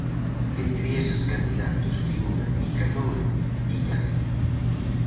Entre eses candidatos figura Nicanor Villar.